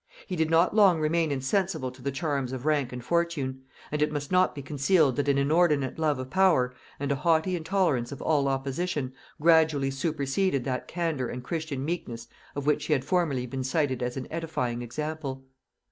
He did not long remain insensible to the charms of rank and fortune; and it must not be concealed that an inordinate love of power, and a haughty intolerance of all opposition, gradually superseded that candor and Christian meekness of which he had formerly been cited as an edifying example.